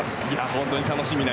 本当に楽しみな